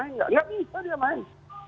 nggak bisa dia main